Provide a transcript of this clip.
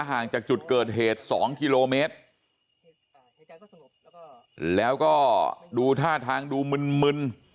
ห่างจากจุดเกิดเหตุสองกิโลเมตรแล้วก็ดูท่าทางดูมึนมึน